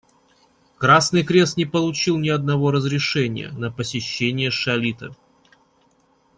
Красный Крест не получил ни одного разрешения на посещение Шалита.